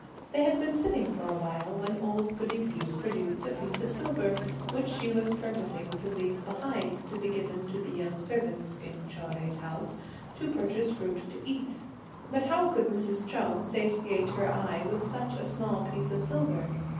They had been sitting for a while, when old goody Liu produced a piece of silver, which she was purposing to leave behind, to be given to the young servants in Chou Jui's house to purchase fruit to eat; but how could Mrs. Chou satiate her eye with such a small piece of silver?